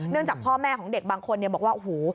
เนื่องจากพ่อแม่ของเด็กบางคนบอกว่าหู